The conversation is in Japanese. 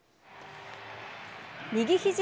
右ひじ